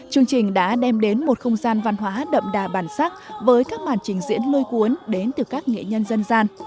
chương trình đã đem đến một không gian văn hóa đậm đà bản sắc với các màn trình diễn lôi cuốn đến từ các nghệ nhân dân gian